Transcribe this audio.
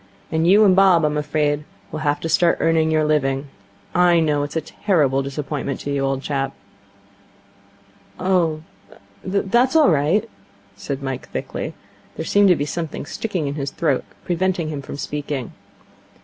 And you and Bob, I'm afraid, will have to start earning your living. I know it's a terrible disappointment to you, old chap.' 'Oh, that's all right,' said Mike thickly. There seemed to be something sticking in his throat, preventing him from speaking.